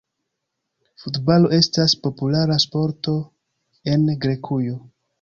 Futbalo estas populara sporto en Grekujo.